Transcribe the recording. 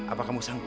apakah kamu sanggup